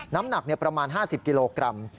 น้ำหนักประมาณ๕๐กิโลกรัม